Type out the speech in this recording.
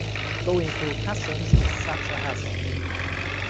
Going through customs is such a hassle.